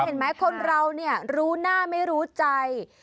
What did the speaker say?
เห็นไหมคนเราเนี่ยรู้หน้าไม่รู้ใจ